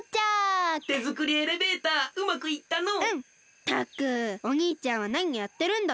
ったくおにいちゃんはなにやってるんだか。